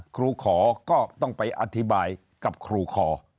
ครูขอก็ต้องไปอธิบายกับครูคอ